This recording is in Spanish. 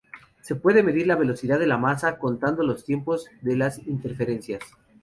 Se puede medir la velocidad de la masa contando los tiempos de las interferencias.